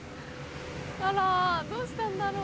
あらどうしたんだろう？